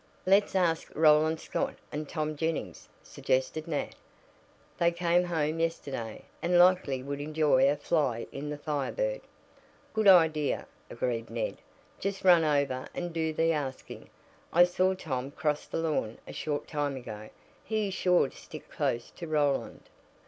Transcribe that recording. "Let's ask Roland Scott and Tom Jennings," suggested Nat. "They came home yesterday, and likely would enjoy a fly in the Fire Bird." "Good idea," agreed Ned. "Just run over, and do the asking. I saw Tom cross the lawn a short time ago. He is sure to stick close to Roland."